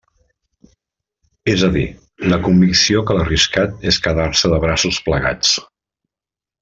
És a dir, la convicció que l'arriscat és quedar-se de braços plegats.